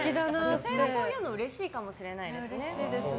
女性はそういうのうれしいかもしれないですね。